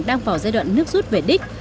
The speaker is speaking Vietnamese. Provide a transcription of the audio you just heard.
đang vào giai đoạn nước rút về đích